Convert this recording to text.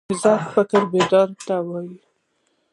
نهضت فکري بیداري ته وایي.